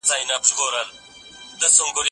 زه به سبا ځواب وليکم؟؟